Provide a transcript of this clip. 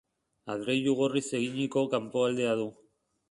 Adreilu gorriz eginiko kanpoaldea du.